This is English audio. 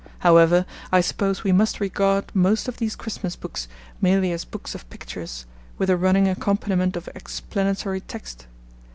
However, I suppose we must regard most of these Christmas books merely as books of pictures, with a running accompaniment of explanatory text.